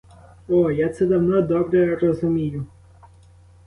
О, я це давно добре розумію!